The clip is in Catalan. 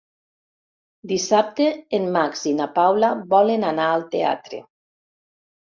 Dissabte en Max i na Paula volen anar al teatre.